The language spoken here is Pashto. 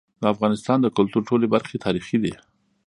د افغانستان د کلتور ټولي برخي تاریخي دي.